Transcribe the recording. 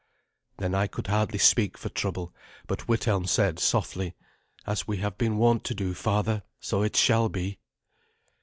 Then I could hardly speak for trouble, but Withelm said softly, "As we have been wont to do, father, so it shall be."